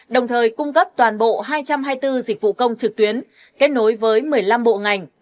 đồng thời cung cấp toàn bộ hai trăm hai mươi bốn dịch vụ công trực tuyến kết nối với một mươi năm bộ ngành